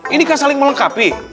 ini kan saling melengkapi